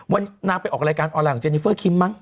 นางไปออกรายการออนไลนเจนิเฟอร์คิมมั้